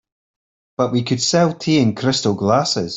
But we could sell tea in crystal glasses.